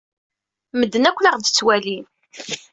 Medden akk la aɣ-d-ttwalin.